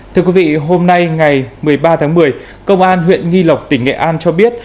thưa quý vị hôm nay ngày một mươi ba tháng một mươi công an huyện nghi lộc tỉnh nghệ an cho biết